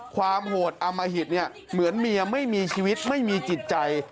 โหดอมหิตเนี่ยเหมือนเมียไม่มีชีวิตไม่มีจิตใจ